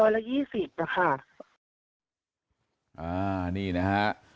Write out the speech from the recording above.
ร้อยละ๒๐นะคะ